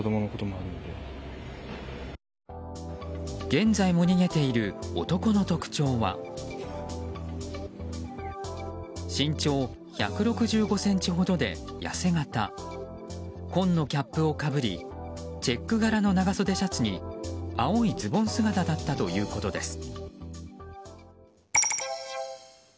現在も逃げている男の特徴は身長１６５ｃｍほどで痩せ形紺のキャップをかぶりチェック柄の長袖シャツに青いズボン姿だったということです。